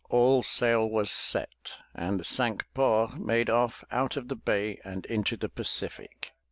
All sail was set, and the Cinque Ports made off out of the bay and into the Pacific.